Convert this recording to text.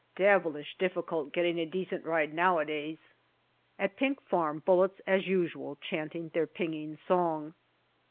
Devilish difficult getting a decent ride nowa days. At Pink Farm, bullets as usual chanting their pinging song.